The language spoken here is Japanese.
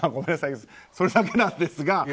それだけなんですが。